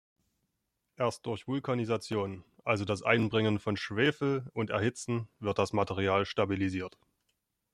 Erst durch Vulkanisation, also das Einbringen von Schwefel und Erhitzen, wird das Material stabilisiert.